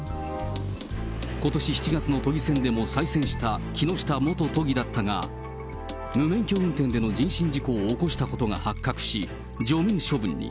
ことし７月の都議選でも再選した木下元都議だったが、無免許運転での人身事故を起こしたことが発覚し、除名処分に。